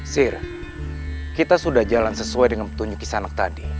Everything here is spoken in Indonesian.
sir kita sudah jalan sesuai dengan petunjuk kisanak tadi